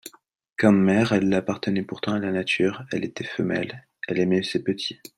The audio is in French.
Comme mère, elle appartenait pourtant à la nature, elle était femelle, elle aimait ses petits.